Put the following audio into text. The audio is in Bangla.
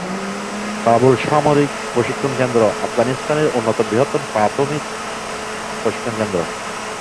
কাবুল সামরিক প্রশিক্ষণ কেন্দ্র আফগানিস্তানের অন্যতম বৃহত্তম প্রাথমিক প্রশিক্ষণ কেন্দ্র।